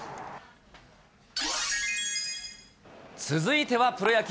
続いてはプロ野球。